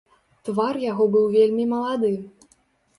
Твар яго быў вельмі малады.